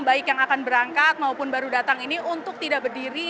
baik yang akan berangkat maupun baru datang ini untuk tidak berdiri